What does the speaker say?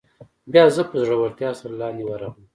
بیا زه په زړورتیا سره لاندې ورغلم.